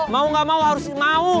mau gak mau harus mau